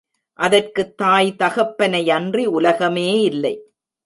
அதற்குத் தாய் தகப்பனையன்றி உலகமே இல்லை.